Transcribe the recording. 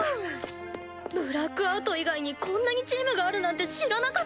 ブラックアウト以外にこんなにチームがあるなんて知らなかった。